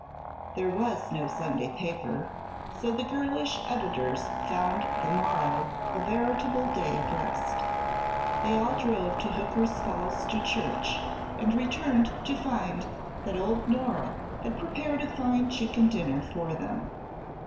There was no Sunday paper, so the girlish editors found the morrow a veritable day of rest. They all drove to Hooker's Falls to church and returned to find that old Nora had prepared a fine chicken dinner for them.